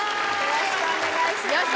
よろしくお願いします！